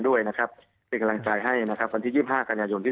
ด้วยนะครับเป็นกำลังใจให้นะครับวันที่๒๕กันยายนที่